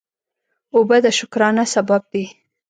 اوبه د شکرانه سبب دي.